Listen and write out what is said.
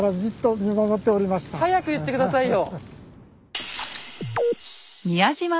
早く言って下さいよ。